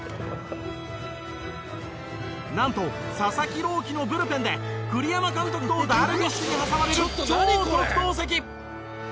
なんと佐々木朗希のブルペンで栗山監督とダルビッシュに挟まれる超特等席！